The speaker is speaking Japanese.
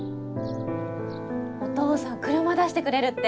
お父さん車出してくれるって。